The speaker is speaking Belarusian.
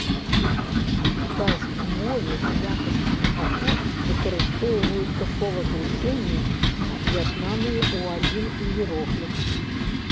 У кітайскай мове ў якасці лігатур выкарыстоўваюцца словазлучэнні, аб'яднаныя ў адзін іерогліф.